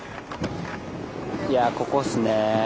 いやここっすね。